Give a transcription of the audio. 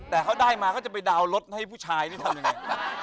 แต่เขาได้มาเขาจะไปดาวน์รถให้ผู้ชายนี่ทำยังไง